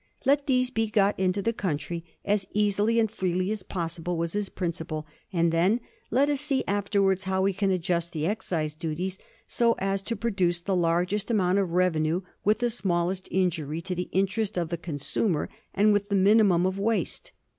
Let these be got into the country as easily and freely as possible, was his principle, and then let us see afterwards how we can adjust the excise duties so as to produce the largest amount of revenue with the smallest injury to the interest of the consumer, and "with the minimum of waste.